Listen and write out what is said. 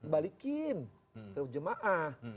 balikin ke jemaah